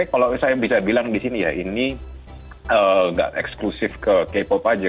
kalau saya bisa bilang di sini ya ini nggak eksklusif ke k pop aja